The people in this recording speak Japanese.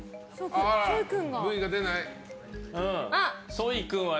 ソイ君は？